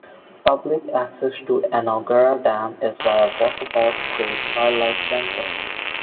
Public access to Enoggera Dam is via Walkabout Creek Wildlife Centre.